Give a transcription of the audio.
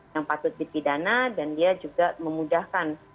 yang patut dipidana dan dia juga memudahkan